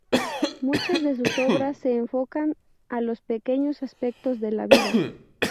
Muchas de sus obras se enfocan a los pequeños aspectos de la vida.